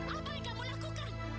apa yang kamu lakukan